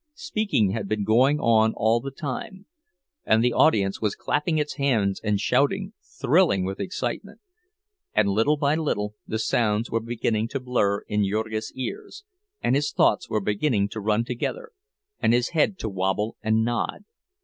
Speaking had been going on all the time, and the audience was clapping its hands and shouting, thrilling with excitement; and little by little the sounds were beginning to blur in Jurgis's ears, and his thoughts were beginning to run together, and his head to wobble and nod.